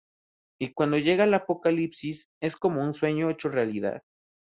Y cuando llega el apocalipsis, es como un sueño hecho realidad.